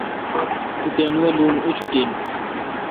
ٹوکان وا لون اوشٹ این۔